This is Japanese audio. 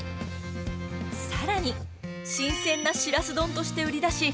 さらに新鮮なシラス丼として売り出し